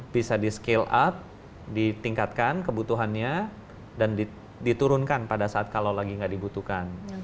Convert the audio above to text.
bisa di scale up ditingkatkan kebutuhannya dan diturunkan pada saat kalau lagi nggak dibutuhkan